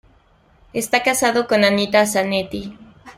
Está casado con Anita Zanetti.